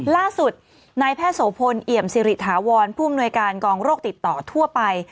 ล่าสุดนายแพทย์โสพลเอี่ยมสิริถาวรผู้อำนวยการกองโรคติดต่อทั่วไป